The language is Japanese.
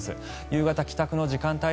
夕方、帰宅の時間帯